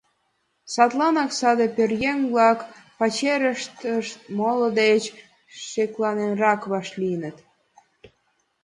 Садланак саде пӧръеҥ-влак пачерыштышт моло деч шекланенрак вашлийыныт.